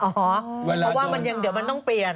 อ๋อเพราะว่ามันยังเดี๋ยวต้องเปลี่ยน